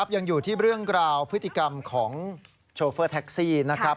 ยังอยู่ที่เรื่องราวพฤติกรรมของโชเฟอร์แท็กซี่นะครับ